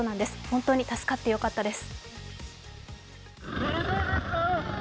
本当に助かってよかったです。